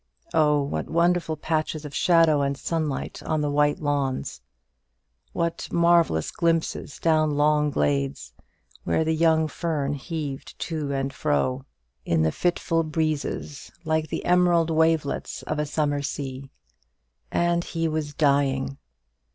Oh, what wonderful patches of shadow and sunlight on the wide lawns! what marvellous glimpses down long glades, where the young fern heaved to and fro in the fitful breezes like the emerald wavelets of a summer sea! And he was dying!